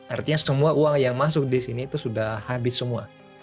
artinya semua uang yang masuk di sini itu sudah habis semua